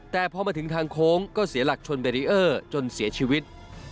แต่พอมาถึงทางโค้งก็เสียหลักชนเบรีเออร์จนเสียชีวิต